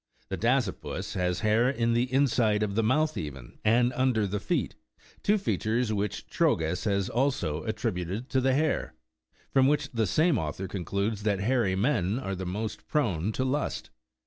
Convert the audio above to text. The dasypus lias hair in the inside of the mouth even and under the feet/ two features which Trogus has also attributed to the hare ; from which the same author concludes that hairy men are the most prone to lust.